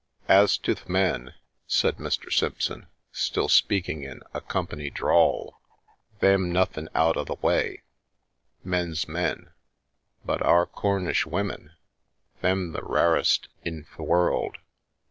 " As to th' men," said Mr. Simpson, still speaking in a " company drawl," " they'm nothin' out o' th' way men's men. But our Cornish women, they'm the rarest in th' world."